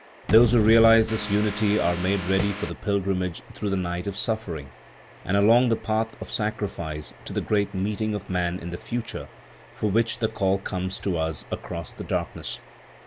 Those who realise this unity are made ready for the pilgrimage through the night of suffering, and along the path of sacrifice, to the great meeting of Man in the future, for which the call comes to us across the darkness.